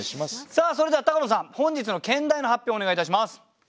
それでは高野さん本日の兼題の発表お願いいたします。